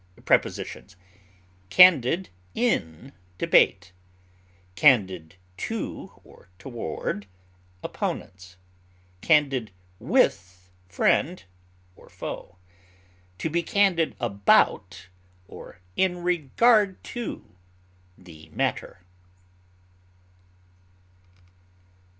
Prepositions: Candid in debate; candid to or toward opponents; candid with friend or foe; to be candid about or in regard to the matter.